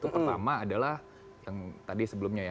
pertama adalah yang tadi sebelumnya ya